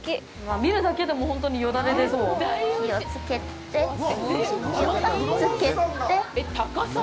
見るだけでもほんとによだれが出そう。